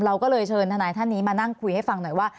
เราก็เลยเชิญทนายท่านนี้มานั่งคุยให้ฟังหน่อยว่า